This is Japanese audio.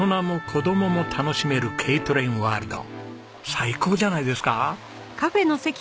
最高じゃないですか！